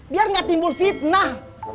biar gak timbul fitnah